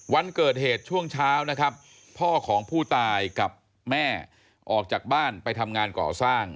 วันเกิดเหตุช่วงเช้านะครับพ่อของผู้ตายกับแม่ออกจากบ้านไปทำงานก่อสร้าง